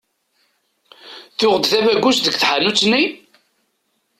Tuɣeḍ-d tabagust deg tḥanut-nni?